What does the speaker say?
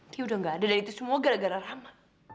dia udah gak ada dan itu semua gara gara rama